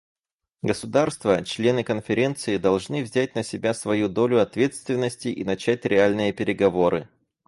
Государства — члены Конференции должны взять на себя свою долю ответственности и начать реальные переговоры.